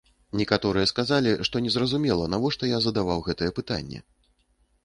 Некаторыя сказалі, што незразумела, навошта я задаваў гэтае пытанне.